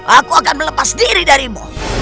aku akan melepas diri darimu